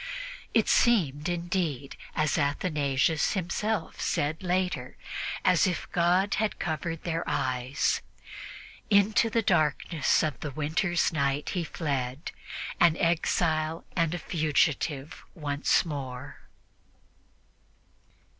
It seemed, indeed, as Athanasius himself said later, as if God had covered their eyes. Into the darkness of the winter's night he fled, an exile and a fugitive once more.